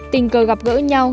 tình cờ gặp gỡ nhau